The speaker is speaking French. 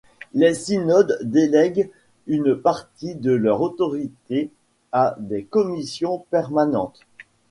Les synodes délèguent une partie de leur autorité à des commissions permanentes.